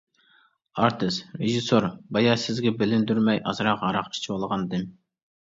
ئارتىس:-رېژىسسور، بايا سىزگە بىلىندۈرمەي ئازراق ھاراق ئىچىۋالغان ئىدىم.